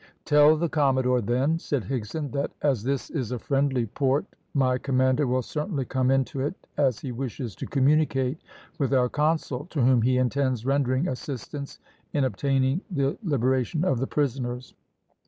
"Tell the commodore, then," said Higson, "that as this is a friendly port my commander will certainly come into it as he wishes to communicate with our consul, to whom he intends rendering assistance in obtaining the liberation of the prisoners."